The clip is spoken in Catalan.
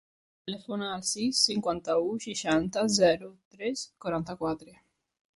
Telefona al sis, cinquanta-u, seixanta, zero, tres, quaranta-quatre.